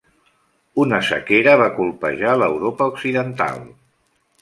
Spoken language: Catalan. Una sequera va colpejar l'Europa occidental.